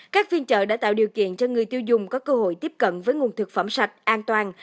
các phiên chợ đã tạo điều kiện cho người tiêu dùng có cơ hội tiếp cận với nguồn thực phẩm sạch an toàn